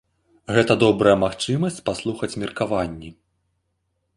Гэта добрая магчымасць паслухаць меркаванні.